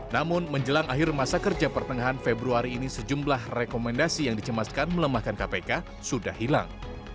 namun menjelang akhir masa kerja pertengahan februari ini sejumlah rekomendasi yang dicemaskan melemahkan kpk sudah hilang